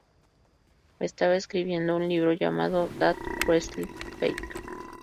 Estaba escribiendo un libro llamado "That Wrestling Fake?